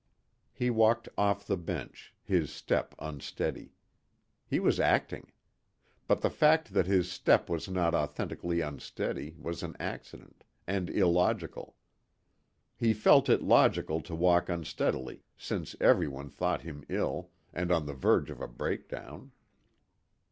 He walked off the bench, his step unsteady. He was acting. But the fact that his step was not authenticly unsteady was an accident and illogical. He felt it logical to walk unsteadily since everyone thought him ill and on the verge of a breakdown.